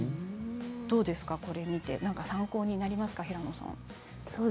どうですかこれを見て参考になりますか平野さん。